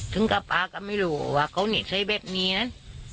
ถึงกับปากก็ไม่รู้ว่าเขาเนี้ยใช่แบบนี้นั้น